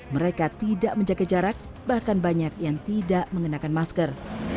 mereka tidak menjaga jarak bahkan banyak yang tidak mengenakan masker